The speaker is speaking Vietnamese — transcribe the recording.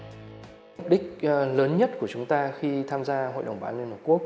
mục đích lớn nhất của chúng ta khi tham gia hội đồng bảo an liên hợp quốc